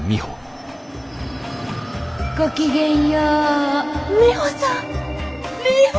ごきげんよう。